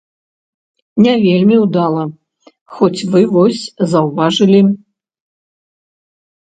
Не вельмі ўдала, хоць вы вось заўважылі.